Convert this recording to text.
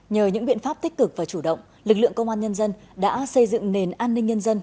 nhờ những biện pháp tích cực và chủ động lực lượng công an nhân dân đã xây dựng nền an ninh nhân dân